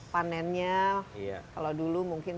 panennya kalau dulu mungkin